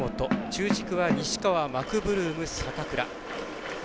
中軸は西川、マクブルーム、坂倉。